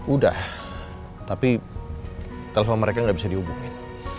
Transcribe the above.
udah tapi telepon mereka gak bisa dihubungin